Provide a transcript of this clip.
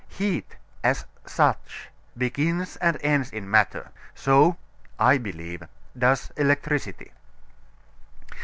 Heat, as such, begins and ends in matter; so (I believe) does electricity.